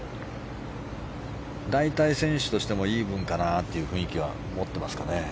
大体、選手としてもイーブンかなという雰囲気は持ってますかね。